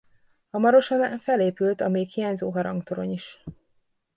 Hamarosan felépült a még hiányzó harangtorony is.